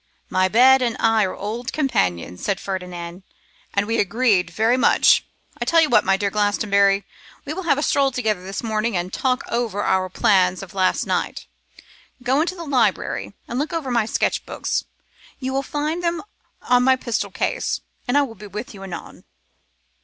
'My bed and I are old companions,' said Ferdinand, 'and we agreed very well. I tell you what, my dear Glastonbury, we will have a stroll together this morning and talk over our plans of last night. Go into the library and look over my sketch books: you will find them on my pistol case, and I will be with you anon.